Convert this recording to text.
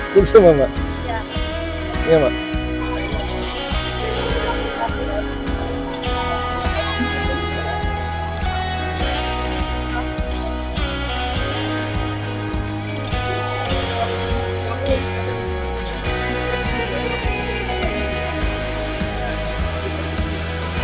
buka semua mbak